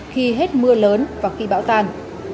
khi hết mưa lớn và khi bão tàn